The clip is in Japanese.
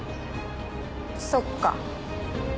そっか。